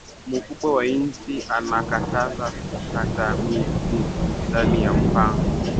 Mukubwa wa inchi ana kataza ku kata michi ndani ya mpango